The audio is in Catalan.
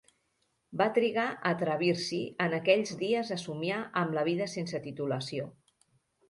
Va trigar a atrevir-s'hi en aquells dies a somiar amb la vida sense titulació.